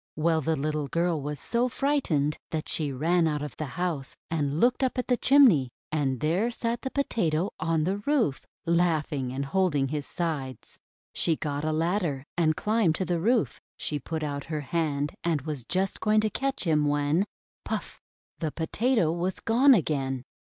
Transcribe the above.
Well, the little girl was so frightened that she ran out of the house, and looked up at the chimney. And there sat the Potato on the roof, laughing and holding his sides. She got a ladder and climbed to the roof. She put out her hand and was just going to catch him, when — puff! the Potato was gone again!